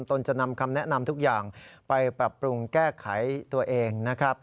ตนจะนำคำแนะนำทุกอย่างไปปรับปรุงแก้ไขตัวเองนะครับ